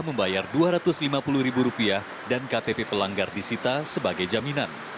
membayar rp dua ratus lima puluh dan ktp pelanggar di sita sebagai jaminan